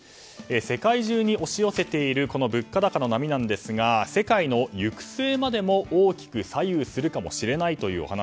世界中に押し寄せている物価高の波ですが世界の行く末までも大きく左右するかもしれないというお話。